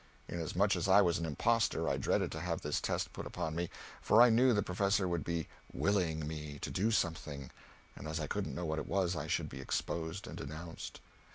Inasmuch as I was an impostor I dreaded to have this test put upon me, for I knew the professor would be "willing" me to do something, and as I couldn't know what it was, I should be exposed and denounced.